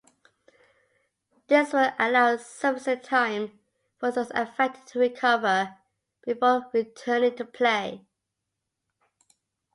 This would allow sufficient time for those affected to recover before returning to play.